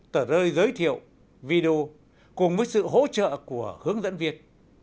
tờ rơi giới thiệu video cùng với sự hỗ trợ của hướng dẫn viên